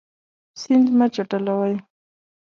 سیند مه چټلوئ.